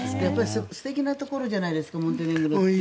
素敵なところじゃないですかモンテネグロって。